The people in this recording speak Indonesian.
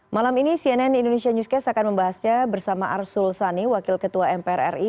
malam ini cnn indonesia newscast akan membahasnya bersama arsul sani wakil ketua mpr ri